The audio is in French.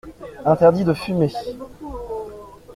Interdit de fumer.